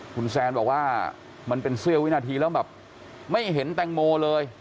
คุณแซนบอกว่ามันเป็นเสี้ยววินาทีแล้วแบบไม่เห็นแตงโมเลย